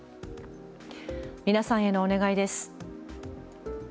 皆さんへのお願いです。